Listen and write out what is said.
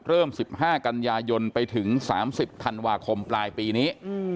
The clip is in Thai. เริ่ม๑๕กันยายนไปถึง๓๐ธันวาคมปลายปีนี้